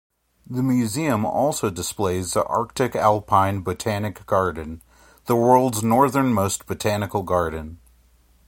The museum also displays the Arctic-alpine botanic garden, the world's northernmost botanical garden.